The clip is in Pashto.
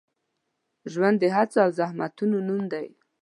ژوند د هڅو او زحمتونو نوم دی.